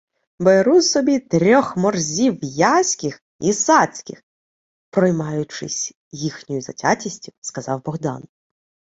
— Беру собі трьох морзів яських і сацьких! — проймаючись їхньою затятістю, сказав Богдан.